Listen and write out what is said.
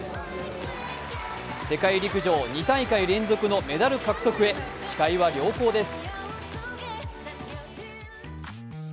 世界陸上２大会連続のメダル獲得へ視界は良好です。